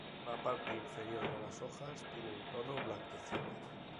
La parte inferior de las hojas tiene un tono blanquecino.